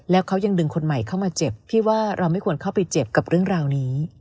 แล้วเขายังดึงคนใหม่เข้ามาเจ็บพี่ว่าเราไม่ควรเข้าไปเจ็บกับเรื่องราวนี้